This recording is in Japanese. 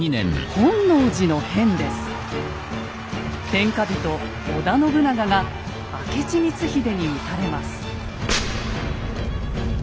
天下人・織田信長が明智光秀に討たれます。